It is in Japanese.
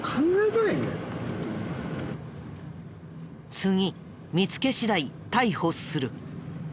次見つけ次第逮捕する。